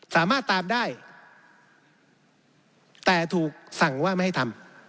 สามารถตามได้แต่ถูกสั่งว่าไม่ให้ทำ